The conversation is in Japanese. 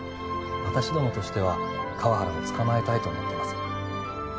私どもとしては河原を捕まえたいと思ってます